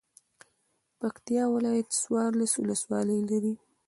پکتيا ولايت څوارلس ولسوالۍ لري